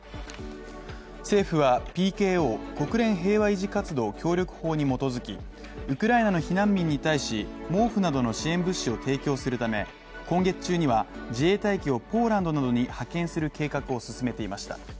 政府は、ＰＫＯ＝国連平和維持活動協力法に基づきウクライナの避難民に対し、毛布などの支援物資を提供するため、今月中には自衛隊機をポーランドに派遣する計画を進めていました。